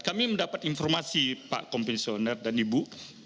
kami mendapat informasi pak komisioner dan ibu